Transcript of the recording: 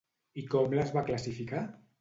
I com les va classificar?